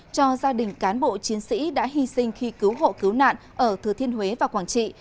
cho gia đình cán bộ chiến sĩ đã hy sinh khi cứu hộ cứu nạn ở thừa thiên huế và quảng trị